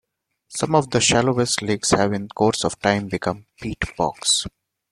Some of the shallowest lakes have in the course of time become peat-bogs.